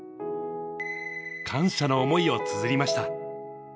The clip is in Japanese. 感謝の思いをつづりました。